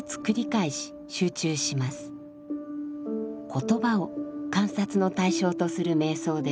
言葉を観察の対象とする瞑想です。